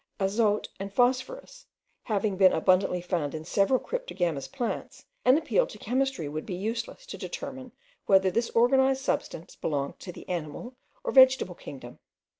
Azote and phosphorus having been abundantly found in several cryptogamous plants, an appeal to chemistry would be useless to determine whether this organized substance belonged to the animal or vegetable kingdom.